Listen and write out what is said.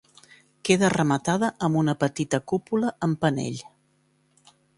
Queda rematada amb una petita cúpula amb penell.